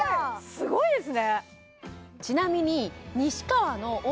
すごいですね